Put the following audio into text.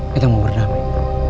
kita mau berdamai